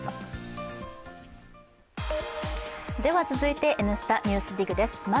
では続いて「Ｎスタ・ＮＥＷＳＤＩＧ」です。